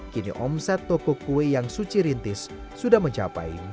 kini omset toko kue yang suci rintis sudah mencapai dua juta rupiah perhari